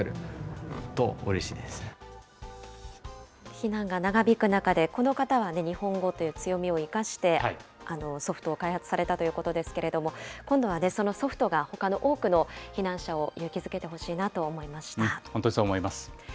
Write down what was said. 避難が長引く中で、この方は日本語という強みを生かして、ソフトを開発されたということですけれども、今度はそのソフトがほかの多くの避難者を勇気づけてほしいなと思本当にそう思います。